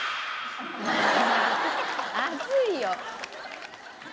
熱いよ。